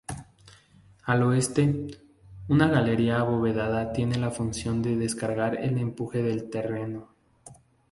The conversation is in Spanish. Al oeste, una galería abovedada tiene la función de descargar el empuje del terreno.